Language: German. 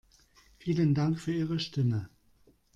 Vielen Dank für Ihre Stimme.